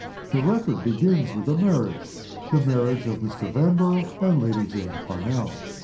The record begins with a marriage the marriage of Mr. Vanborough and Lady Jane Parnell.